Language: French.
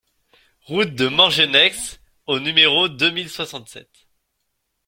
Route de Morgenex au numéro deux mille soixante-sept